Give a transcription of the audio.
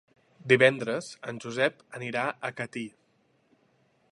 Divendres en Josep anirà a Catí.